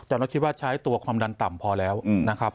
แต่เราคิดว่าใช้ตัวความดันต่ำพอแล้วนะครับ